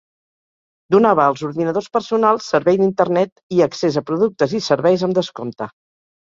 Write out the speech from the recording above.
Donava als ordinadors personals servei d'internet i accés a productes i serveis amb descompte.